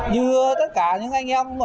như tất cả những anh em